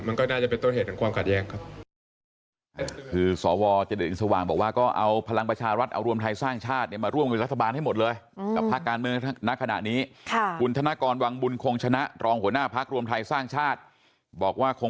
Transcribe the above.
มันก็น่าจะเป็นต้นเหตุของความขัดแย้งครับ